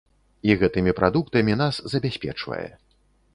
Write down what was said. І гэтымі прадуктамі нас забяспечвае.